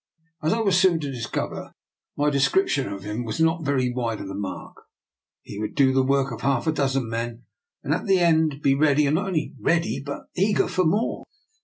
As I was soon to discover, my description of him was not very wide of the mark. He would do the work of half a dozen men, and at the end be ready, and not only ready but eager, for more.